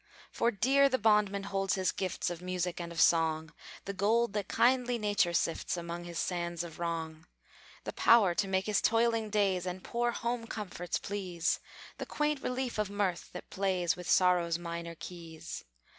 For dear the bondman holds his gifts Of music and of song: The gold that kindly Nature sifts Among his sands of wrong; The power to make his toiling days And poor home comforts please; The quaint relief of mirth that plays With sorrow's minor keys.